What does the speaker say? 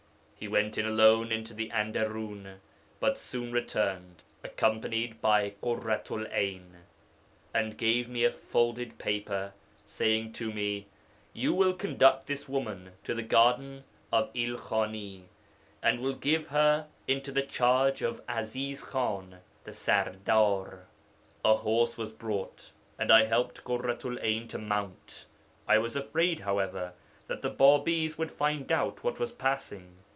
He went in alone into the enderūn, but soon returned, accompanied by Ḳurratu'l 'Ayn, and gave me a folded paper, saying to me, "You will conduct this woman to the garden of Ilkhaní, and will give her into the charge of Aziz Khan the Serdar." 'A horse was brought, and I helped Ḳurratu'l 'Ayn to mount. I was afraid, however, that the Bābīs would find out what was passing.